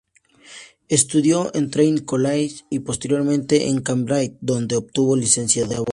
Estudió en Trinity College y posteriormente en Cambridge donde obtuvo licencia de abogado.